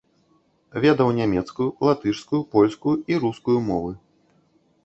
Ведаў нямецкую, латышскую, польскую і рускую мовы.